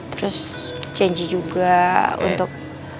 terus janji juga untuk